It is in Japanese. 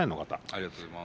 ありがとうございます。